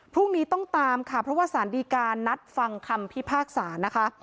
พรุ่งนี้ต้องตามค่ะเพราะว่าสารดีการนัดฟังคำพิพากษานะคะ